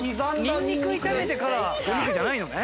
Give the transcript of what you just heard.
まずニンニク炒めてからお肉じゃないのね。